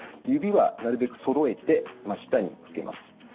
指はなるべくそろえて真下に向けます。